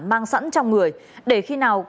mang sẵn trong người để khi nào